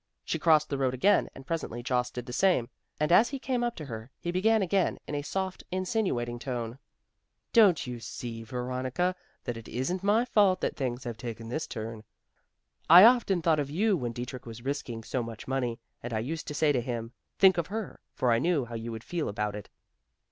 She crossed the road again, and presently Jost did the same, and as he came up to her, he began again in a soft insinuating tone, "Don't you see Veronica, that it isn't my fault that things have taken this turn? I often thought of you when Dietrich was risking so much money, and I used to say to him "think of her," for I knew how you would feel about it."